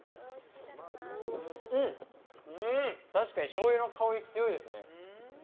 確かに、しょうゆのかおり強いですね。